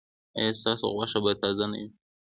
ایا ستاسو غوښه به تازه نه وي؟